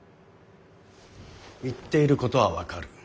言っていることは分かる。